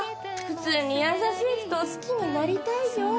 普通に優しい人を好きになりたいよ